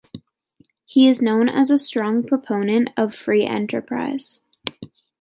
He is known as a strong proponent of free enterprise.